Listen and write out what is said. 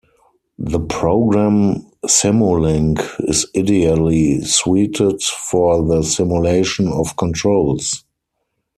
The program Simulink is ideally suited for the simulation of controls.